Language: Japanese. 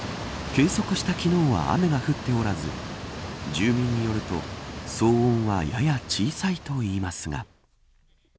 計測した昨日は雨が降っておらず住民によると騒音はやや小さいと言いますが。